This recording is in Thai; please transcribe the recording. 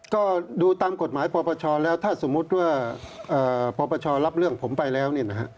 ก็ดูตามกฎหมายปปชแล้วถ้าสมมุติว่าปปชรับเรื่องผมไปแล้วเนี่ยนะฮะ